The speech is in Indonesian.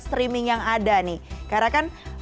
streaming yang ada nih karena kan